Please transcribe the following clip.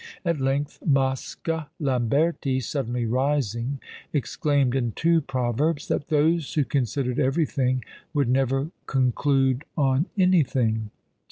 At length Moscha Lamberti suddenly rising, exclaimed, in two proverbs, "That those who considered everything would never conclude on anything!"